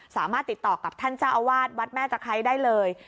สามารถติดต่อกับท่านเจ้าอาวาสวัดแม่ตะไคร้ได้เลย